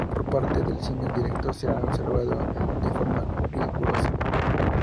Por otra parte, el cine directo se ha observado de forma rigurosa.